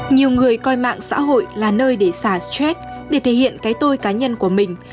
nhiều người coi mạng xã hội là nơi để giả stress để thể hiện cái tôi cá nhân của mình